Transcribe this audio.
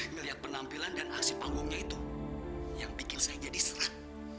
melihat penampilan dan aksi panggungnya itu yang bikin saya jadi senang